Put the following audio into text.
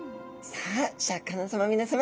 さあシャーク香音さま皆さま。